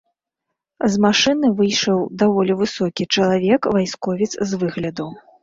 З машыны выйшаў даволі высокі чалавек, вайсковец з выгляду.